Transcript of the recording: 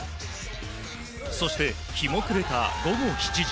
そして、日も暮れた午後７時。